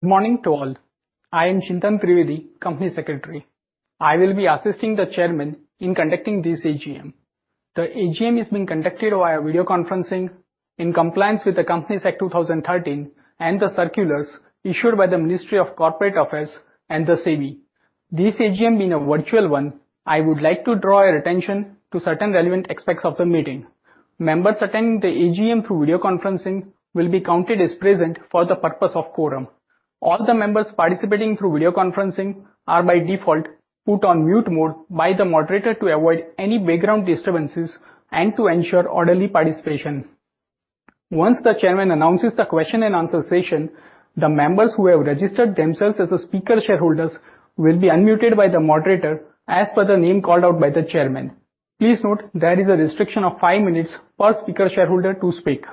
Good morning to all. I am Chintan Trivedi, Company Secretary. I will be assisting the chairman in conducting this AGM. The AGM is being conducted via video conferencing in compliance with the Companies Act, 2013, and the circulars issued by the Ministry of Corporate Affairs and the SEBI. This AGM being a virtual one, I would like to draw your attention to certain relevant aspects of the meeting. Members attending the AGM through video conferencing will be counted as present for the purpose of quorum. All the members participating through video conferencing are by default put on mute mode by the moderator to avoid any background disturbances and to ensure orderly participation. Once the chairman announces the question and answer session, the members who have registered themselves as speaker shareholders will be unmuted by the moderator as per the name called out by the chairman. Please note there is a restriction of 5 minutes per speaker shareholder to speak.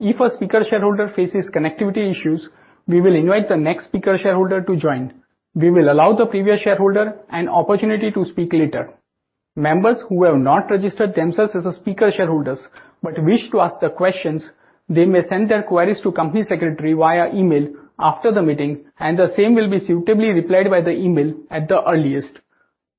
If a speaker shareholder faces connectivity issues, we will invite the next speaker shareholder to join. We will allow the previous shareholder an opportunity to speak later. Members who have not registered themselves as speaker shareholders, but wish to ask the questions, they may send their queries to Company Secretary via email after the meeting, and the same will be suitably replied by the email at the earliest.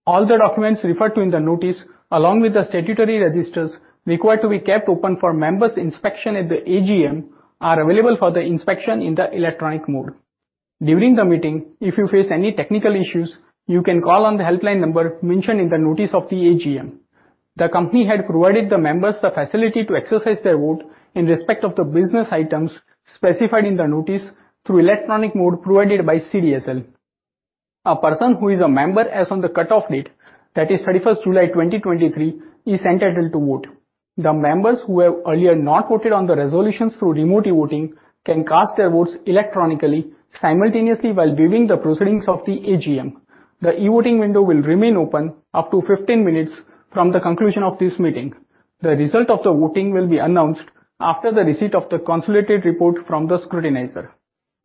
All the documents referred to in the notice, along with the statutory registers required to be kept open for members' inspection at the AGM, are available for the inspection in the electronic mode. During the meeting, if you face any technical issues, you can call on the helpline number mentioned in the notice of the AGM. The company had provided the members the facility to exercise their vote in respect of the business items specified in the notice through electronic mode provided by CDSL. A person who is a member as on the cutoff date, that is 31st July 2023, is entitled to vote. The members who have earlier not voted on the resolutions through remote e-voting, can cast their votes electronically, simultaneously while viewing the proceedings of the AGM. The e-voting window will remain open up to 15 minutes from the conclusion of this meeting. The result of the voting will be announced after the receipt of the consolidated report from the scrutinizer.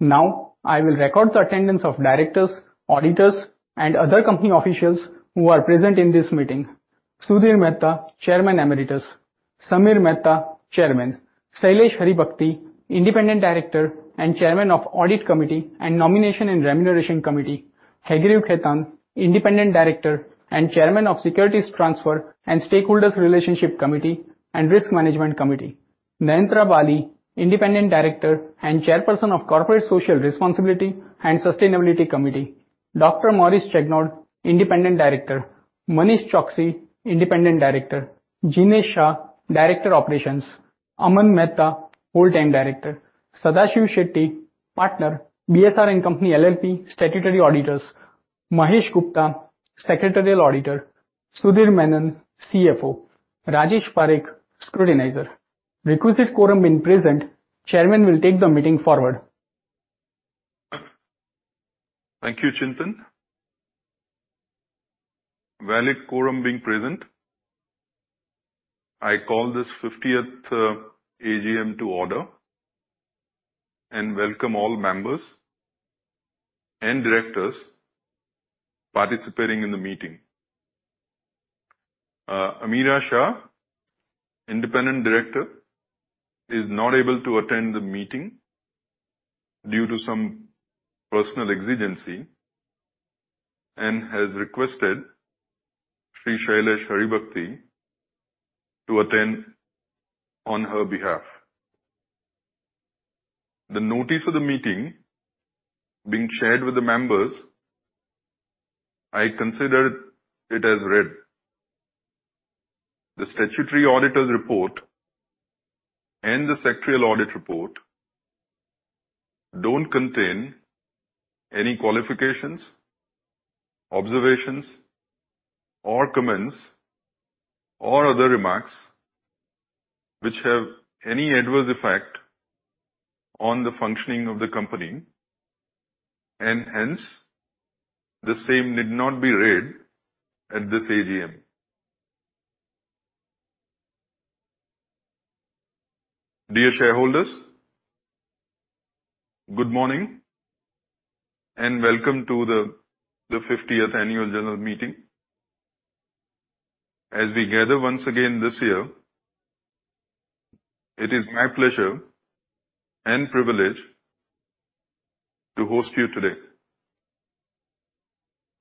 Now, I will record the attendance of directors, auditors, and other company officials who are present in this meeting. Sudhir Mehta, Chairman Emeritus, Samir Mehta, Chairman, Shailesh Haribhakti, Independent Director and Chairman of Audit Committee and Nomination and Remuneration Committee, Haigreve Khaitan, Independent Director and Chairman of Securities Transfer and Stakeholders Relationship Committee and Risk Management Committee, Nayantara Bali, Independent Director and Chairperson of Corporate Social Responsibility and Sustainability Committee, Dr. Maurice Chagnaud, Independent Director, Manish Choksi, Independent Director, Jinesh Shah, Director, Operations, Aman Mehta, Whole-time Director, Sadashiv Shetty, Partner, BSR & Co. LLP, Statutory Auditors, Mahesh Gupta, Secretarial Auditor, Sudhir Menon, CFO, Rajesh Parekh, Scrutinizer. Requisite quorum being present, Chairman will take the meeting forward. Thank you, Chintan. Valid quorum being present, I call this fiftieth AGM to order and welcome all members and directors participating in the meeting. Ameera Shah, Independent Director, is not able to attend the meeting due to some personal exigency and has requested Shri Shailesh Haribhakti to attend on her behalf. The notice of the meeting being shared with the members, I consider it as read. The statutory auditor's report and the secretarial audit report don't contain any qualifications, observations, or comments or other remarks which have any adverse effect on the functioning of the company, and hence, the same need not be read at this AGM. Dear shareholders, good morning, and welcome to the fiftieth Annual General Meeting. As we gather once again this year, it is my pleasure and privilege to host you today.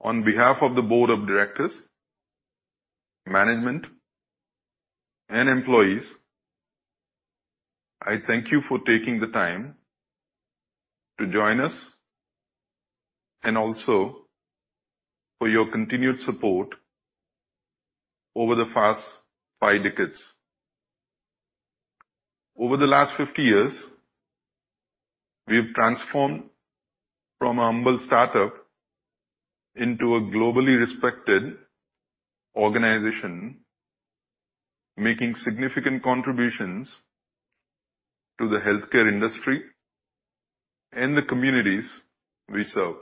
On behalf of the Board of Directors, management, and employees, I thank you for taking the time to join us and also for your continued support over the past 5 decades. Over the last 50 years, we've transformed from a humble startup into a globally respected organization, making significant contributions to the healthcare industry and the communities we serve.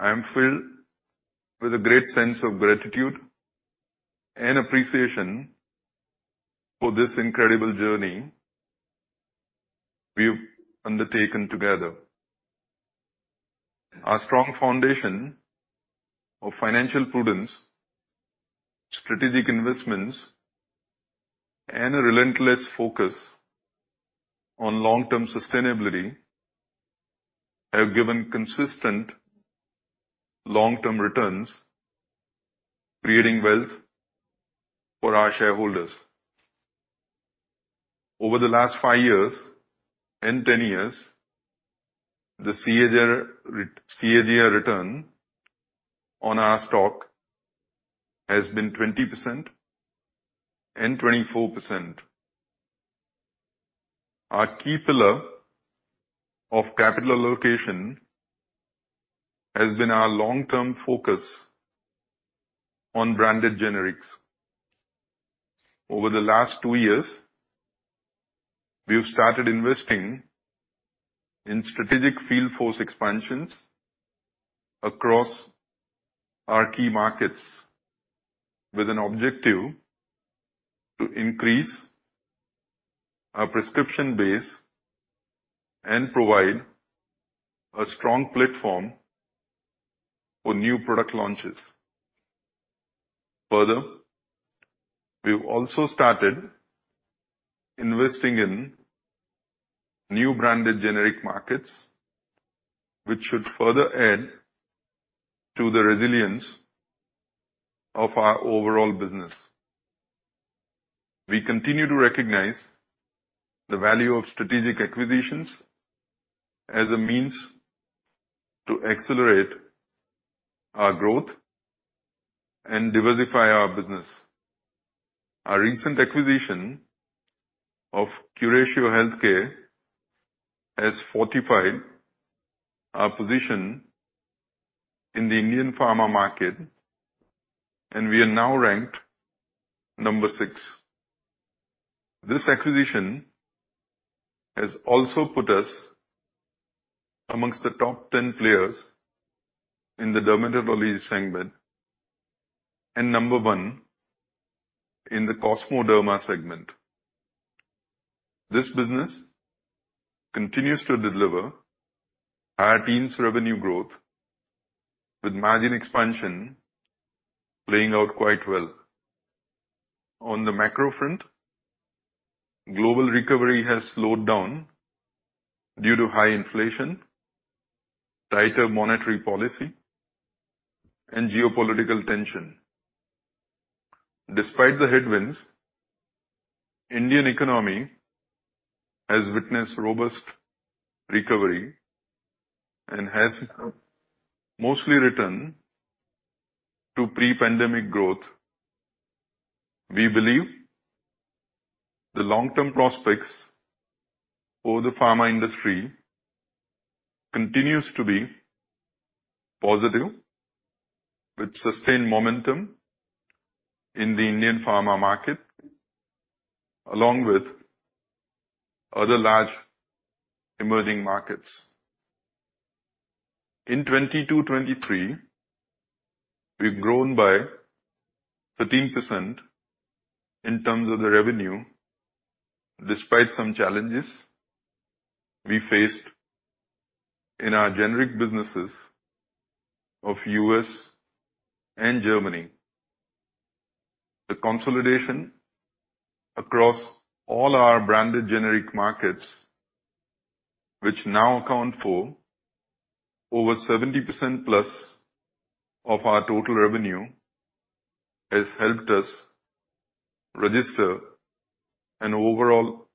I am filled with a great sense of gratitude and appreciation for this incredible journey we've undertaken together. Our strong foundation of financial prudence, strategic investments and a relentless focus on long-term sustainability have given consistent long-term returns, creating wealth for our shareholders. Over the last five years and 10 years, the CAGR return on our stock has been 20% and 24%. Our key pillar of capital allocation has been our long-term focus on branded generics. Over the last two years, we have started investing in strategic field force expansions across our key markets, with an objective to increase our prescription base and provide a strong platform for new product launches. Further, we've also started investing in new branded generic markets, which should further add to the resilience of our overall business. We continue to recognize the value of strategic acquisitions as a means to accelerate our growth and diversify our business. Our recent acquisition of Curatio Healthcare has fortified our position in the Indian pharma market, and we are now ranked number 6. This acquisition has also put us amongst the top 10 players in the dermatology segment, and number 1 in the cosmo-derma segment. This business continues to deliver high teens revenue growth, with margin expansion playing out quite well. On the macro front, global recovery has slowed down due to high inflation, tighter monetary policy, and geopolitical tension. Despite the headwinds, Indian economy has witnessed robust recovery and has mostly returned to pre-pandemic growth. We believe the long-term prospects for the pharma industry continues to be positive, with sustained momentum in the Indian pharma market, along with other large emerging markets. In 2022, 2023, we've grown by 13% in terms of the revenue, despite some challenges we faced in our generic businesses of US and Germany. The consolidation across all our branded generic markets, which now account for over 70%+ of our total revenue, has helped us register an overall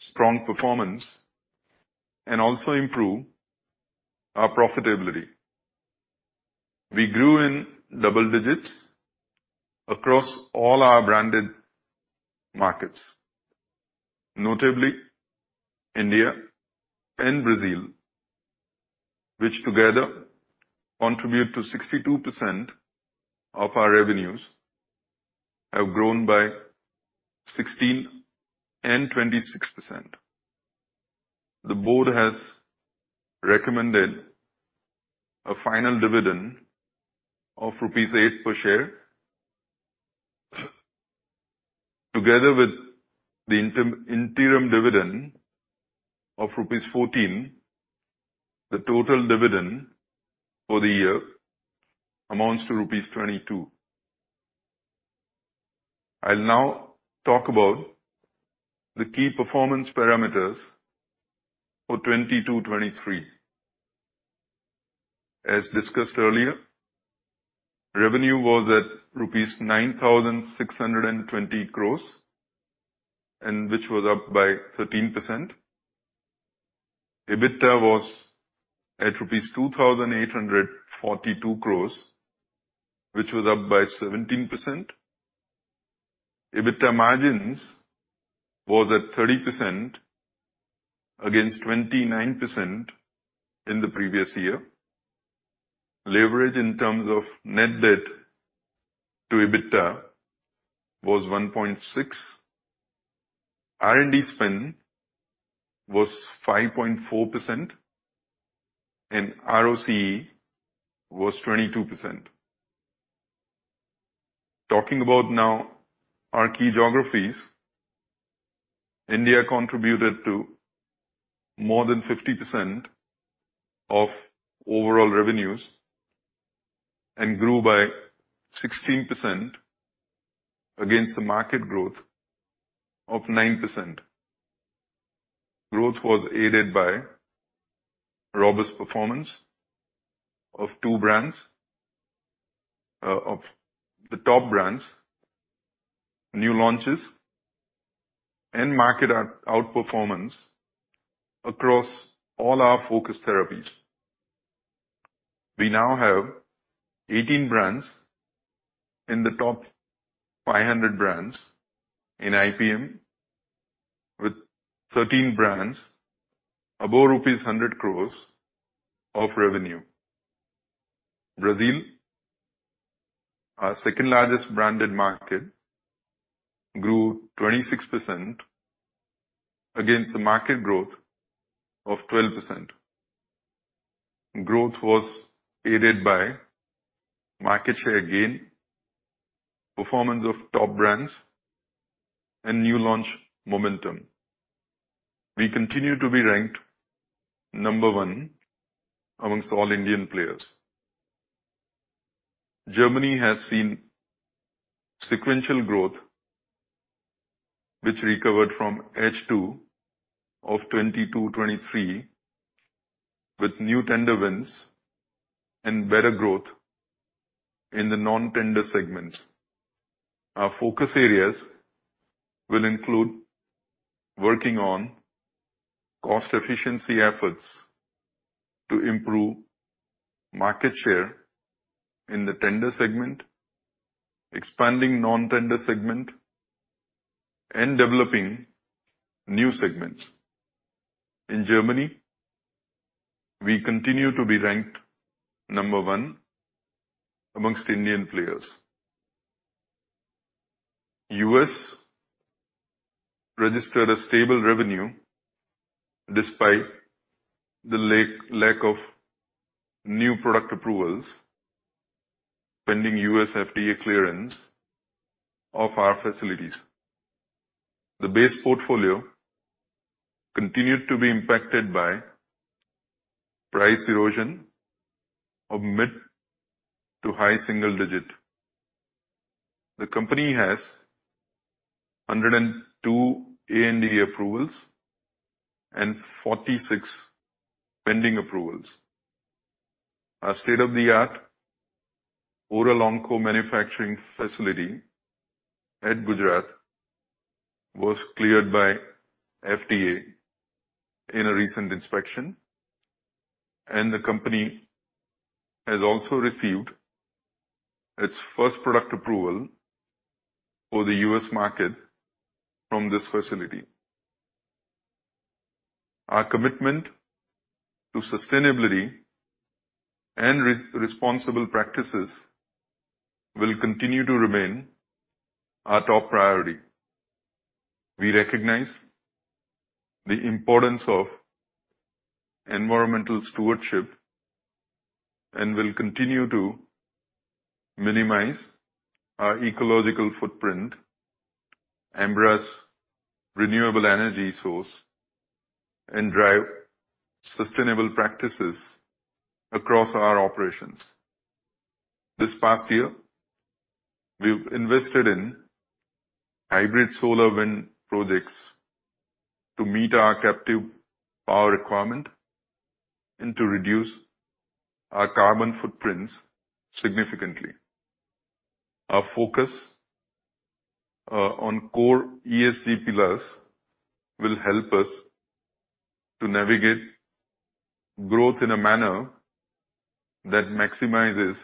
strong performance and also improve our profitability. We grew in double digits across all our branded markets. Notably, India and Brazil, which together contribute to 62% of our revenues, have grown by 16% and 26%. The board has recommended a final dividend of rupees 8 per share. Together with the interim dividend of rupees 14, the total dividend for the year amounts to rupees 22. I'll now talk about the key performance parameters for 2022-2023. As discussed earlier, revenue was at rupees 9,620 crore, which was up by 13%. EBITDA was at rupees 2,842 crore, which was up by 17%. EBITDA margins were at 30%, against 29% in the previous year. Leverage in terms of net debt to EBITDA was 1.6. R&D spend was 5.4%, ROCE was 22%. Talking about now our key geographies, India contributed to more than 50% of overall revenues and grew by 16% against the market growth of 9%. Growth was aided by robust performance of 2 brands, of the top brands, new launches, and market outperformance across all our focus therapies. We now have 18 brands in the top 500 brands in IPM, with 13 brands above rupees 100 crore of revenue. Brazil, our second-largest branded market, grew 26% against the market growth of 12%. Growth was aided by market share gain, performance of top brands, and new launch momentum. We continue to be ranked number one amongst all Indian players. Germany has seen sequential growth, which recovered from H2 of 2022, 2023, with new tender wins and better growth in the non-tender segments. Our focus areas will include working on cost efficiency efforts to improve market share in the tender segment, expanding non-tender segment, and developing new segments. In Germany, we continue to be ranked number one amongst Indian players. U.S. registered a stable revenue despite the lack of new product approvals, pending US FDA clearance of our facilities. The base portfolio continued to be impacted by price erosion of mid to high single-digit. The company has 102 ANDA approvals and 46 pending approvals. Our state-of-the-art oral oncology manufacturing facility at Gujarat was cleared by FDA in a recent inspection, and the company has also received its first product approval for the US market from this facility. Our commitment to sustainability and responsible practices will continue to remain our top priority. We recognize the importance of environmental stewardship, and will continue to minimize our ecological footprint, embrace renewable energy source, and drive sustainable practices across our operations. This past year, we've invested in hybrid solar wind projects to meet our captive power requirement and to reduce our carbon footprints significantly. Our focus on core ESG pillars will help us to navigate growth in a manner that maximizes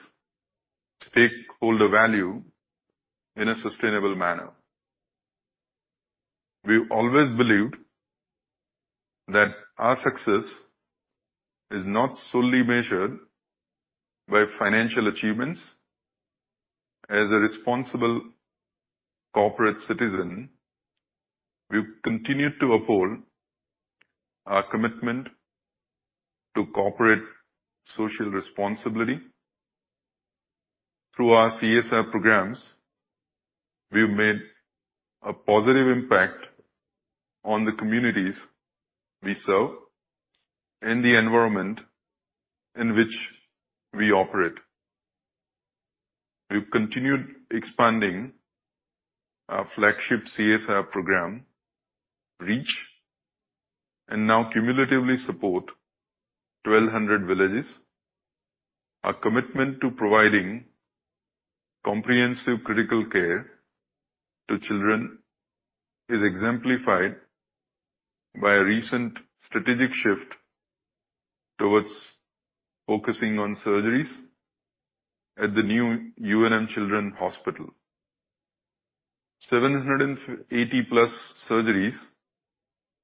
stakeholder value in a sustainable manner. We've always believed that our success is not solely measured by financial achievements. As a responsible corporate citizen, we've continued to uphold our commitment to Corporate Social Responsibility. Through our CSR programs, we've made a positive impact on the communities we serve and the environment in which we operate. We've continued expanding our flagship CSR program, Reach, and now cumulatively support 1,200 villages. Our commitment to providing comprehensive critical care to children is exemplified by a recent strategic shift towards focusing on surgeries at the new U. N. Mehta Hospital. 780+ surgeries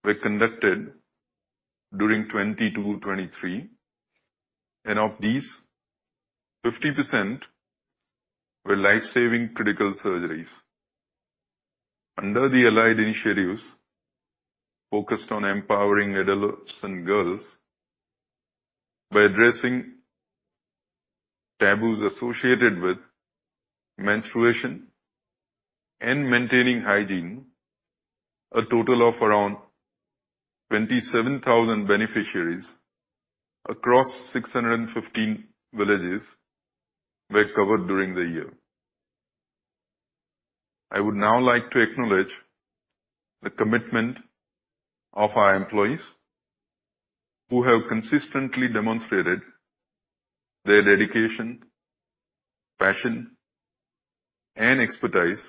were conducted during 2022-2023. Of these, 50% were life-saving critical surgeries. Under the allied initiatives focused on empowering adults and girls by addressing taboos associated with menstruation and maintaining hygiene, a total of around 27,000 beneficiaries across 615 villages were covered during the year. I would now like to acknowledge the commitment of our employees, who have consistently demonstrated their dedication, passion, and expertise.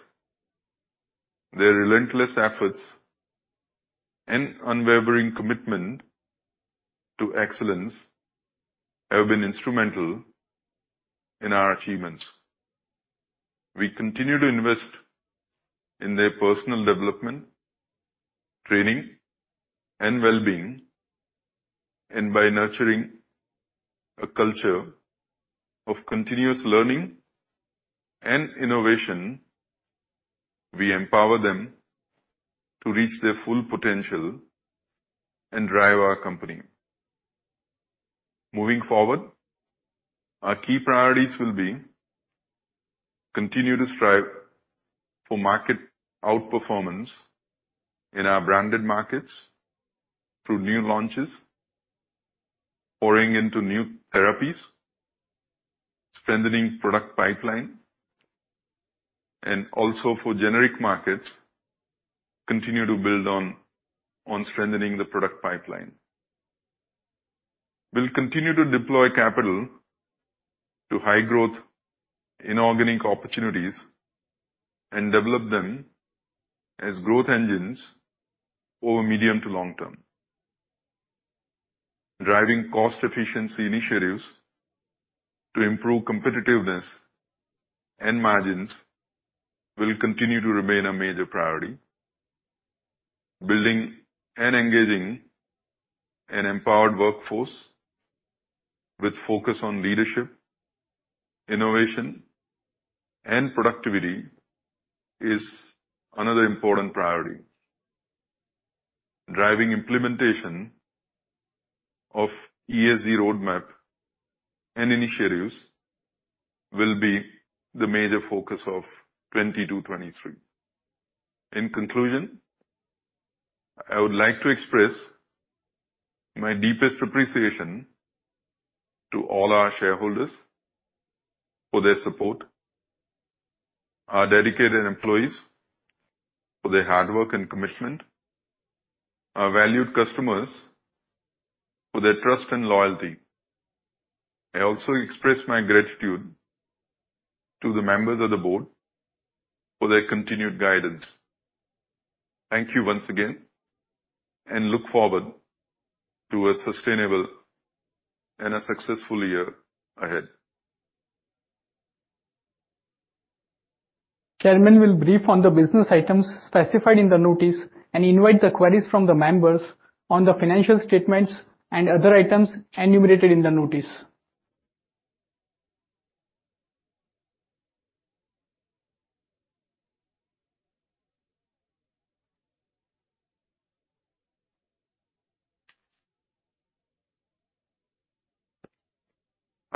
Their relentless efforts and unwavering commitment to excellence have been instrumental in our achievements. By nurturing a culture of continuous learning and innovation, we empower them to reach their full potential and drive our company. Moving forward, our key priorities will be: continue to strive for market outperformance in our branded markets through new launches, pouring into new therapies, strengthening product pipeline, and also for generic markets, continue to build on, on strengthening the product pipeline. We'll continue to deploy capital to high growth in organic opportunities and develop them as growth engines over medium to long term. Driving cost efficiency initiatives to improve competitiveness and margins will continue to remain a major priority. Building and engaging an empowered workforce with focus on leadership, innovation, and productivity is another important priority. Driving implementation of ESG roadmap and initiatives will be the major focus of 2022-2023. In conclusion, I would like to express my deepest appreciation to all our shareholders for their support, our dedicated employees for their hard work and commitment, our valued customers for their trust and loyalty. I also express my gratitude to the members of the board for their continued guidance. Thank you once again, and look forward to a sustainable and a successful year ahead. Chairman will brief on the business items specified in the notice, and invite the queries from the members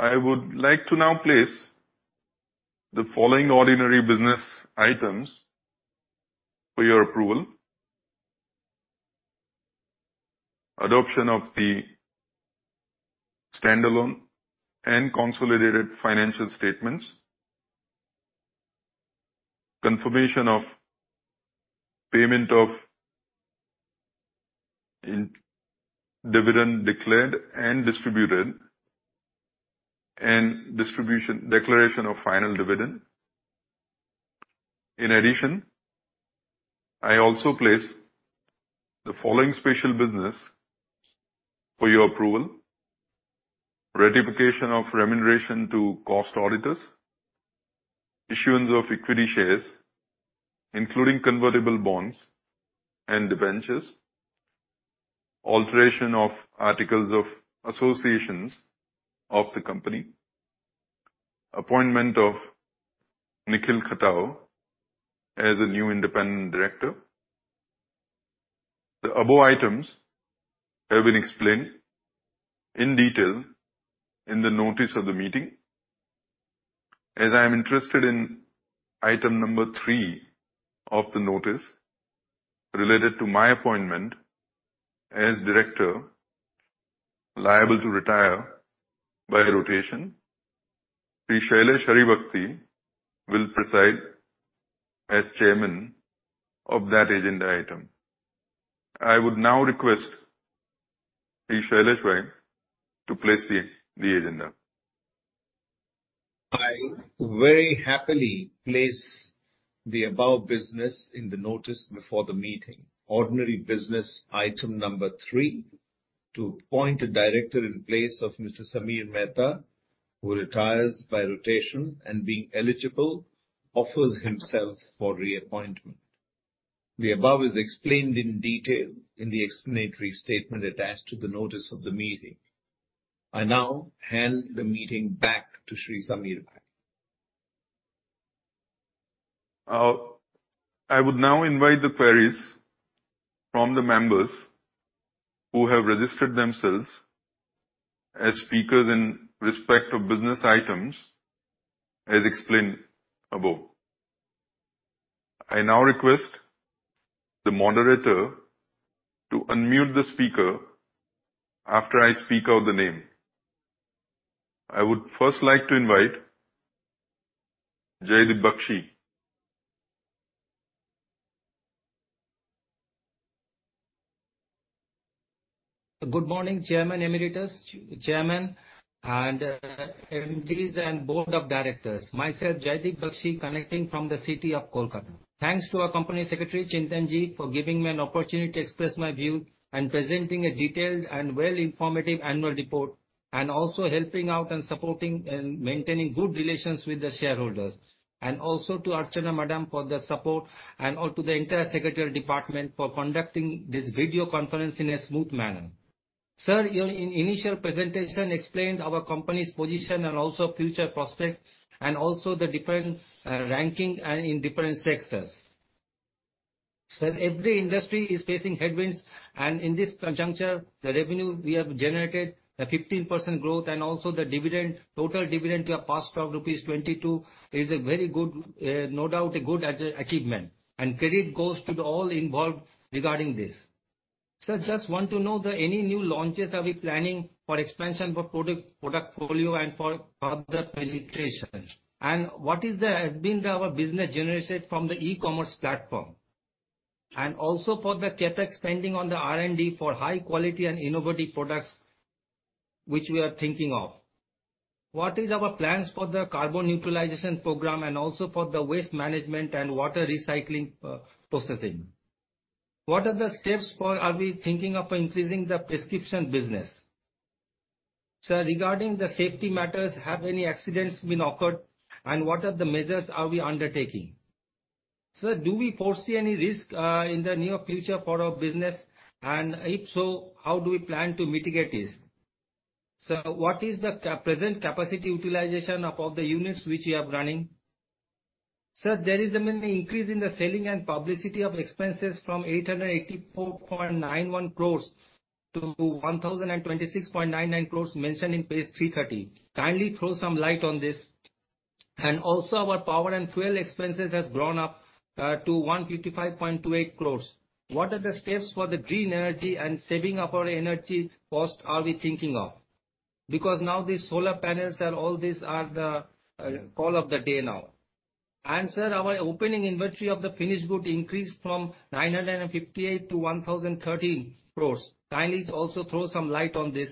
on the financial statements and other items enumerated in the notice. I would like to now place the following ordinary business items for your approval. Adoption of the standalone and consolidated financial statements. Confirmation of payment of in- dividend declared and distributed, and declaration of final dividend. I also place the following special business for your approval: ratification of remuneration to cost auditors, issuance of equity shares, including convertible bonds and debentures, alteration of Articles of Association of the company, appointment of Nikhil Khatau as a new independent director. The above items have been explained in detail in the notice of the meeting. As I am interested in Item 3 of the notice related to my appointment as director, liable to retire by rotation, Shailesh Haribhakti will preside as chairman of that agenda item. I would now request Shailesh to place the agenda. I very happily place the above business in the notice before the meeting. Ordinary business item number three, to appoint a director in place of Mr. Samir Mehta, who retires by rotation, and being eligible, offers himself for reappointment. The above is explained in detail in the explanatory statement attached to the notice of the meeting. I now hand the meeting back to Shri Samir Mehta. I would now invite the queries from the members who have registered themselves as speakers in respect of business items, as explained above. I now request the moderator to unmute the speaker after I speak out the name. I would first like to invite Jaydeep Bakshi. Good morning, Chairman Emeritus, Chairman, and MDs and Board of Directors. Myself, Jaydeep Bakshi, connecting from the city of Kolkata. Thanks to our Company Secretary, Chintan Ji, for giving me an opportunity to express my view and presenting a detailed and well informative annual report, and also helping out and supporting and maintaining good relations with the shareholders. Also to Archana Madam, for the support, and also to the entire Secretarial Department for conducting this video conference in a smooth manner. Sir, your initial presentation explained our company's position and also future prospects, and also the different ranking and in different sectors. Sir, every industry is facing headwinds, and in this conjuncture, the revenue we have generated, a 15% growth and also the dividend, total dividend we have passed of rupees 22, is a very good, no doubt, a good achievement, and credit goes to all involved regarding this. Sir, just want to know the any new launches are we planning for expansion for product, product portfolio and for further penetrations? What has been our business generated from the e-commerce platform? Also for the CapEx spending on the R&D for high quality and innovative products, which we are thinking of. What is our plans for the carbon neutralization program and also for the waste management and water recycling, processing? What are the steps for are we thinking of increasing the prescription business? Sir, regarding the safety matters, have any accidents been occurred, and what are the measures are we undertaking? Sir, do we foresee any risk in the near future for our business, and if so, how do we plan to mitigate this? Sir, what is the present capacity utilization of all the units which we are running? Sir, there is a mainly increase in the selling and publicity of expenses from 884.91 crore to 1,026.99 crore mentioned in page 330. Kindly throw some light on this. Also, our power and fuel expenses has grown up to 155.28 crore. What are the steps for the green energy and saving of our energy cost are we thinking of? Because now these solar panels and all these are the call of the day now. Sir, our opening inventory of the finished goods increased from 958 to 1,013 crores. Kindly also throw some light on this.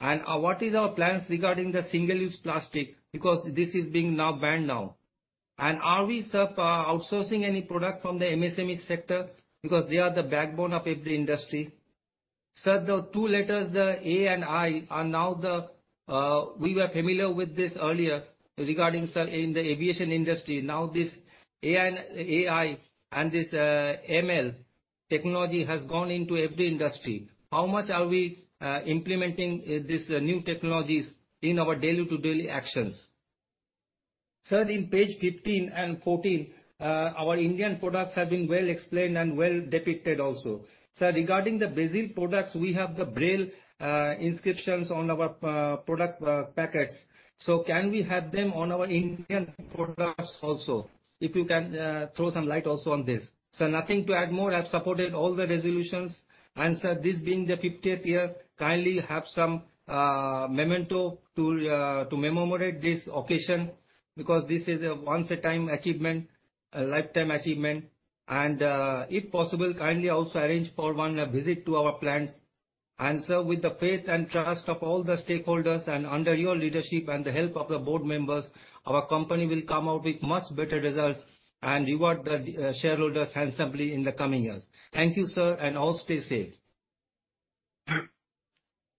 What is our plans regarding the single-use plastic? Because this is being now banned now. Are we, sir, outsourcing any product from the MSME sector? Because they are the backbone of every industry. Sir, the two letters, the A and I, are now the... We were familiar with this earlier, regarding, sir, in the aviation industry. Now, this AI, AI and this ML technology has gone into every industry. How much are we implementing these new technologies in our day to day actions? Sir, in page 15 and 14, our Indian products have been well explained and well depicted also. Sir, regarding the Brazil products, we have the Braille inscriptions on our product packets. Can we have them on our Indian products also? If you can throw some light also on this. Sir, nothing to add more. I've supported all the resolutions. Sir, this being the 50th year, kindly have some memento to commemorate this occasion, because this is a once a time achievement, a lifetime achievement. If possible, kindly also arrange for one visit to our plants. Sir, with the faith and trust of all the stakeholders and under your leadership and the help of the board members, our company will come out with much better results and reward the shareholders handsomely in the coming years. Thank you, sir, and all stay safe.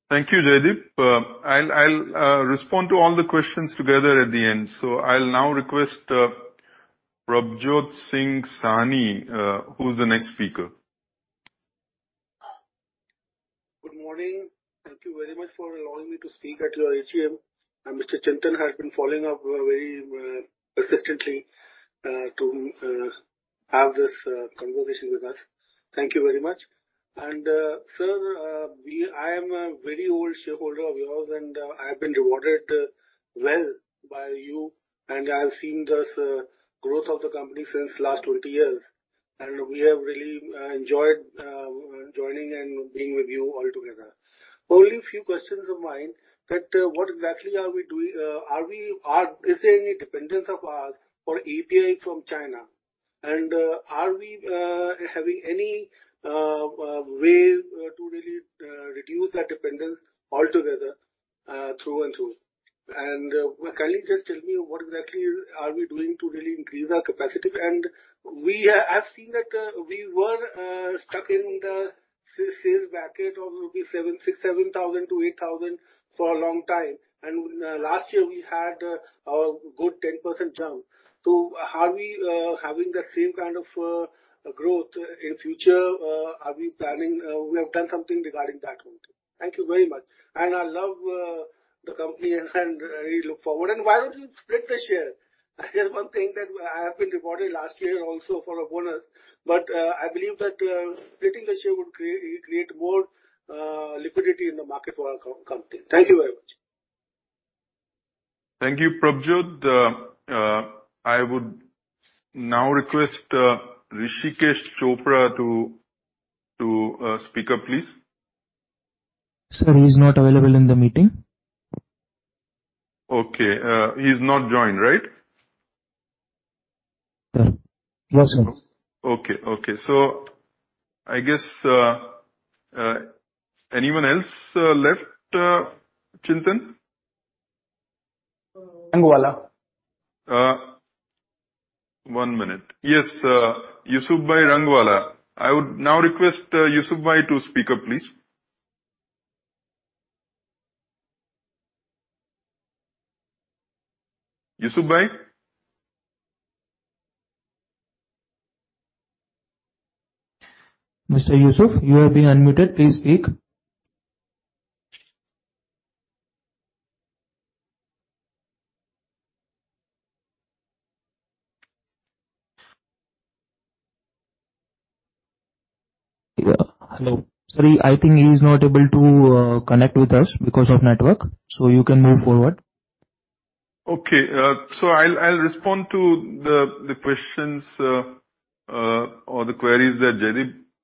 Thank you, Jaydeep. I'll respond to all the questions together at the end. I'll now request Prabhjot Singh Saini, who's the next speaker. Good morning. Thank you very much for allowing me to speak at your AGM. Mr. Chintan has been following up very persistently to have this conversation with us. Thank you very much. Sir, I am a very old shareholder of yours, and I have been rewarded well by you, and I have seen this growth of the company since last 20 years. We have really enjoyed joining and being with you all together. Only a few questions of mine, that, what exactly are we doing? Are we, is there any dependence of ours for API from China? Are we having any way to really reduce that dependence altogether through and through? Kindly just tell me, what exactly are we doing to really increase our capacity? We, I've seen that, we were stuck in the sales bracket of rupees 7,000-8,000 for a long time, and last year we had a good 10% jump. Are we having that same kind of growth in future? Are we planning, we have done something regarding that one? Thank you very much. I love the company and we look forward. Why don't you split the share? There's one thing that I have been rewarded last year also for a bonus, but I believe that splitting the share would create more liquidity in the market for our company. Thank you very much. Thank you, Prabhjyot. I would now request Rishikesh Chopra to speak up, please. Sir, he's not available in the meeting. Okay, he's not joined, right? No. Yes, sir. Okay. Okay. I guess, anyone else left, Chintan? Rangwala. One minute. Yes, Yusufbhai Rangwala. I would now request Yusufbai to speak up, please. Yusufbai? Mr. Yusuf, you are being unmuted. Please speak. Yeah. Hello. Sorry, I think he's not able to connect with us because of network. You can move forward. Okay, I'll, I'll respond to the, the questions, or the queries that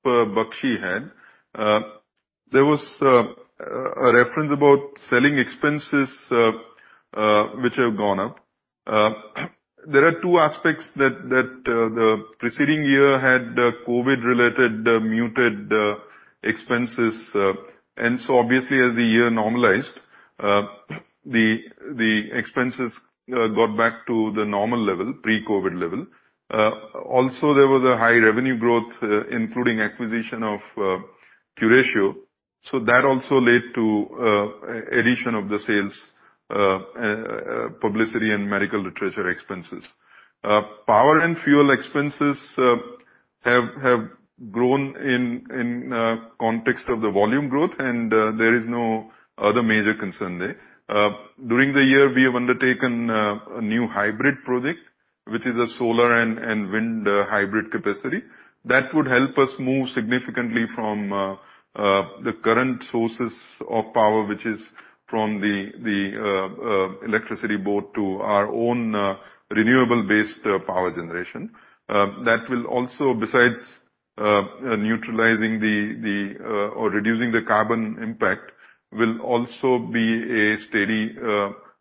Jaydeep Bakshi had. There was a reference about selling expenses, which have gone up. There are two aspects that, that, the preceding year had COVID-related, muted, expenses. Obviously as the year normalized, the, the expenses, got back to the normal level, pre-COVID level. There was a high revenue growth, including acquisition of, Curatio. That also led to addition of the sales, publicity and medical literature expenses. Power and fuel expenses, have, have grown in, in, context of the volume growth, and there is no other major concern there. During the year, we have undertaken a new hybrid project, which is a solar and wind hybrid capacity. That would help us move significantly from the current sources of power, which is from the electricity board to our own renewable-based power generation. That will also, besides neutralizing the or reducing the carbon impact, will also be a steady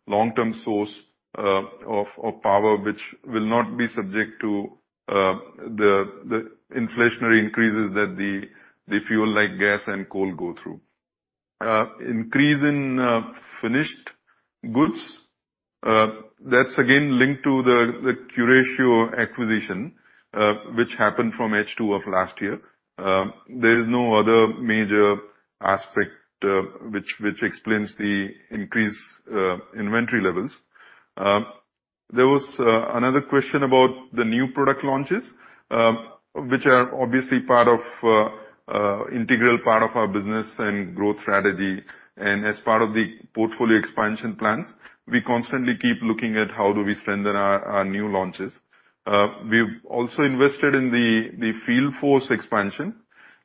long-term source of power, which will not be subject to the inflationary increases that the fuel like gas and coal go through. Increase in finished goods, that's again linked to the Curatio acquisition, which happened from H2 of last year. There is no other major aspect which explains the increased inventory levels. There was another question about the new product launches, which are obviously part of integral part of our business and growth strategy. As part of the portfolio expansion plans, we constantly keep looking at how do we strengthen our, our new launches. We've also invested in the, the field force expansion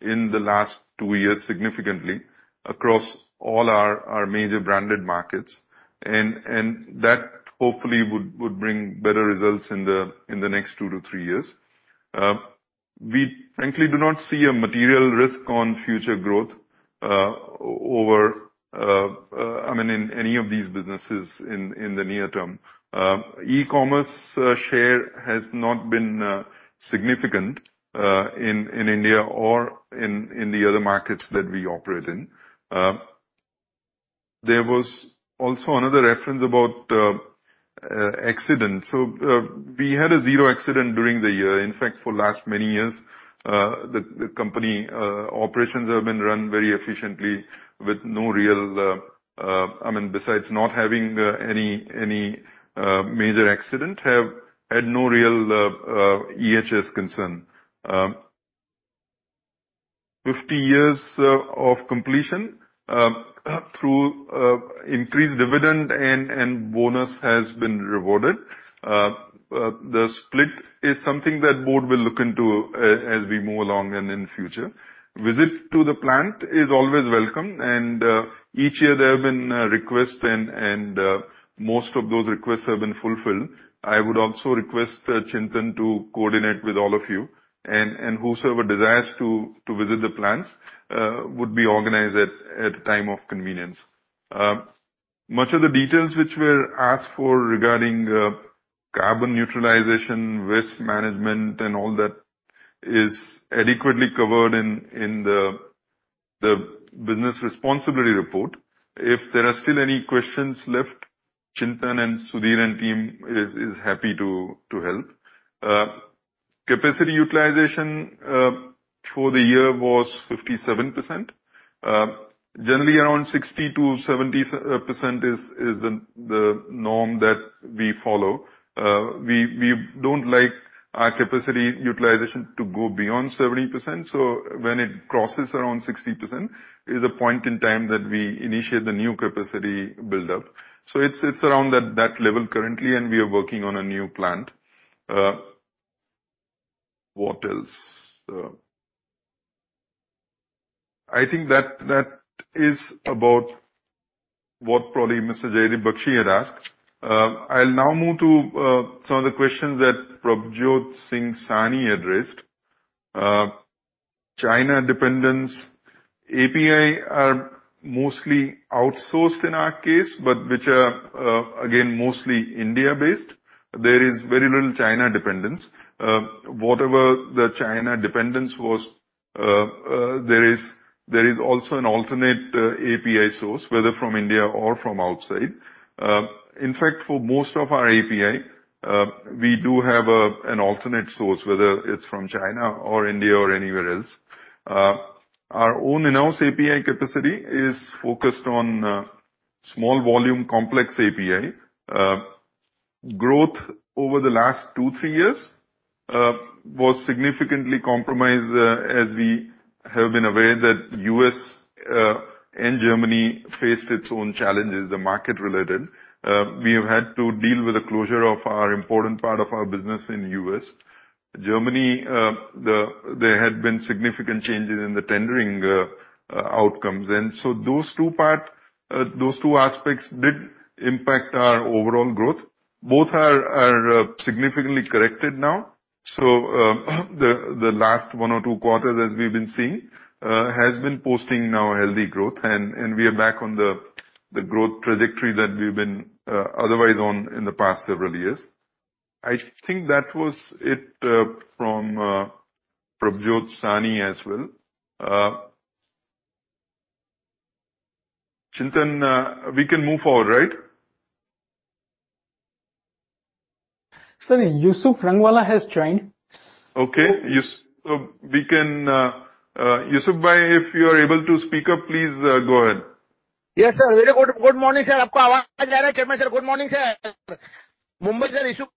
in the last 2 years, significantly across all our, our major branded markets, and, and that hopefully would, would bring better results in the, in the next 2-3 years. We frankly do not see a material risk on future growth, I mean, in any of these businesses in, in the near term. E-commerce, share has not been significant in, in India or in, in the other markets that we operate in. There was also another reference about accident. We had a 0 accident during the year. In fact, for last many years, the company operations have been run very efficiently with no real. I mean, besides not having any major accident, have had no real EHS concern. 50 years of completion through increased dividend and bonus has been rewarded. The split is something that board will look into as we move along and in future. Visit to the plant is always welcome, and each year there have been requests and most of those requests have been fulfilled. I would also request Chintan to coordinate with all of you, and whosoever desires to visit the plants would be organized at a time of convenience. Much of the details which were asked for regarding carbon neutralization, risk management, and all that is adequately covered in the Business Responsibility Report. If there are still any questions left, Chintan and Sudhir and team is happy to help. Capacity utilization for the year was 57%. Generally, around 60%-70% is the norm that we follow. We don't like our capacity utilization to go beyond 70%, so when it crosses around 60%, is a point in time that we initiate the new capacity buildup. So it's around that level currently, and we are working on a new plant. What else? I think that is about what probably Mr. Jaydeep Bakshi had asked. I'll now move to some of the questions that Prabhjyot Singh Saini addressed. China dependence. API are mostly outsourced in our case, but which are again, mostly India-based. There is very little China dependence. Whatever the China dependence was, there is also an alternate API source, whether from India or from outside. In fact, for most of our API, we do have an alternate source, whether it's from China or India or anywhere else. Our own in-house API capacity is focused on small volume, complex API. Growth over the last two, three years was significantly compromised as we have been aware that U.S. and Germany faced its own challenges, the market related. We have had to deal with the closure of our important part of our business in U.S. Germany, there had been significant changes in the tendering outcomes. Those two aspects did impact our overall growth. Both are significantly corrected now. The last one or two quarters, as we've been seeing, has been posting now healthy growth, and we are back on the growth trajectory that we've been otherwise on in the past several years. I think that was it from Prabhjyot Saini as well. Chintan, we can move forward, right? Sir, Yusuf Rangwala has joined. Okay, we can, Yusuf bhai, if you are able to speak up, please, go ahead. Yes, sir. Very good, good morning, sir. Good morning, sir. Mumbai, sir, Yusuf.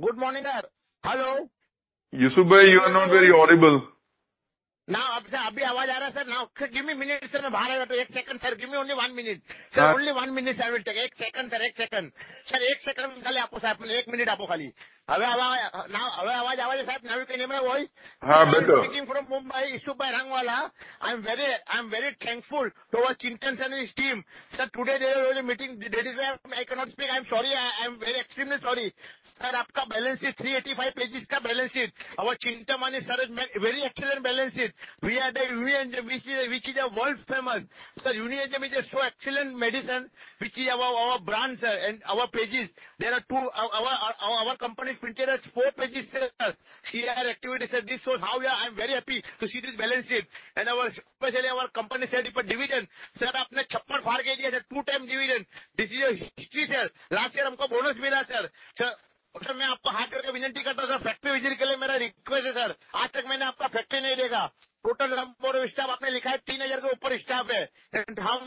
Good morning, sir. Hello. Yusuf bhai, you are not very audible. Now, sir, sir, now, give me a minute, sir. Give me only 1 minute. Uh. Sir, only 1 minute I will take. 1 second, sir, 1 second. Sir, 1 second... 1 minute. Now, now, now you can hear my voice? Better. Speaking from Mumbai, Yusuf Rangwala. I'm very, I'm very thankful towards Chintan and his team. Sir, today there was a meeting. That is why I cannot speak. I'm sorry. I, I'm very extremely sorry. Sir, your balance sheet, 385 pages balance sheet. Our Chintan and his sir is very excellent balance sheet. We are the Unienzyme, which is, which is a world famous. Sir, Unienzyme is a so excellent medicine, which is our, our brand, sir, and our pages. There are two, our, our, our company printed four pages, sir. CSR activity, sir, this shows how I'm very happy to see this balance sheet and our, especially our company share division. Sir, 56, two times dividend. This is a history, sir. Last year, bonus sir. Sir, sir, factory visit request, sir. Factory. How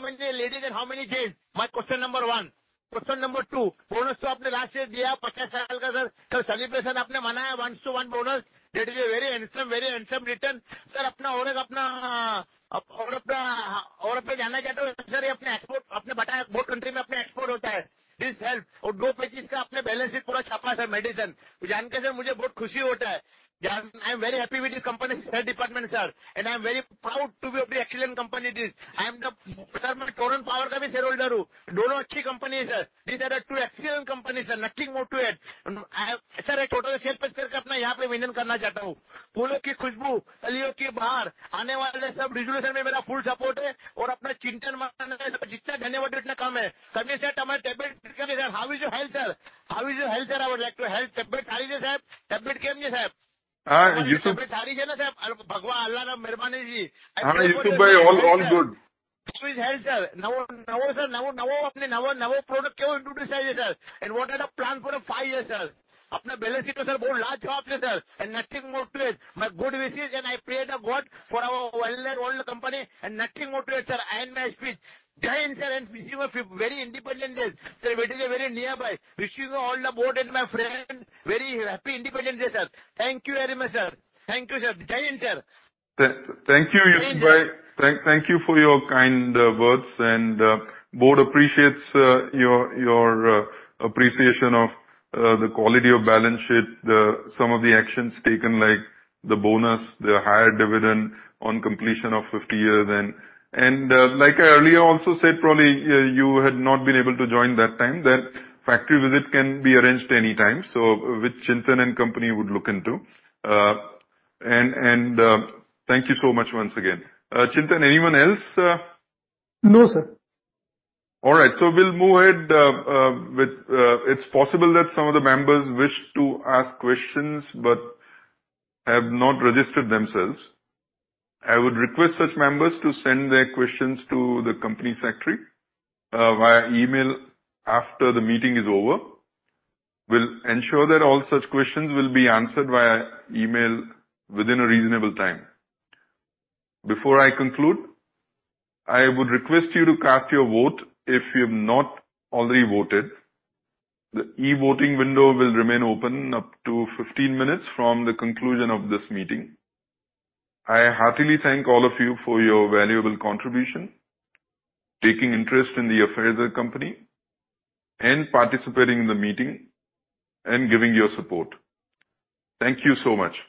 many ladies and how many gents? My question number one. Question number 2: Bonus last year. Sir, celebration 1 to 1 bonus. That is a very handsome, very handsome return. Sir, sir, you export. Export country, export. This help. Two pages balance sheet medicine. I'm very happy with your company, share department, sir, and I'm very proud to be of the excellent company it is. I am the total power shareholder. Dono achhi company, sir. These are the 2 excellent companies, sir. Nothing more to add. I have share mention. Smell of flowers, outside leaves, coming resolution, full support. Our Chintan, thank you very much, sir. How is your health, sir? How is your health, sir? I would like to help. Tablet. Sir, tablet. Yusuf- Tablet... Sir, Allah, mermani ji. Yusufbhai, all good. How is health, sir? Product... sir, what are the plan for the five years, sir? Balance sheet, sir, very large, sir, nothing more to it. My good wishes, I pray to God for our well, well company and nothing more to it, sir. I end my speech. Thank you, sir, wish you a very Independence Day. Sir, it is very nearby. Wishing you all the board and my friend, very happy Independence Day, sir. Thank you very much, sir. Thank you, sir. Thank you, sir. Thank you, Yusufbhai. Thank you for your kind words, and Board appreciates your, your appreciation of the quality of balance sheet, the some of the actions taken, like the bonus, the higher dividend on completion of 50 years. Like I earlier also said, probably, you had not been able to join that time, that factory visit can be arranged anytime, so, which Chintan and company would look into. Thank you so much once again. Chintan, anyone else? No, sir. All right, so we'll move ahead. It's possible that some of the members wished to ask questions but have not registered themselves. I would request such members to send their questions to the company secretary via email after the meeting is over. We'll ensure that all such questions will be answered via email within a reasonable time. Before I conclude, I would request you to cast your vote if you've not already voted. The e-voting window will remain open up to 15 minutes from the conclusion of this meeting. I heartily thank all of you for your valuable contribution, taking interest in the affairs of the company, and participating in the meeting, and giving your support. Thank you so much.